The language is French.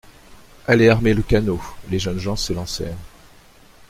Allez armer le canot ! Les jeunes gens s'élancèrent.